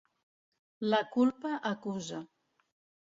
La culpa acusa.